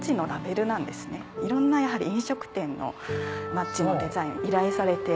いろんな飲食店のマッチのデザインを依頼されて。